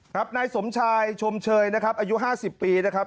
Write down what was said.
นายสมชายชมเชยนะครับอายุ๕๐ปีนะครับ